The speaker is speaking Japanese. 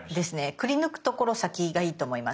くりぬくところ先がいいと思います。